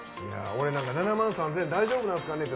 俺なんか７万３，０００大丈夫なんすかねって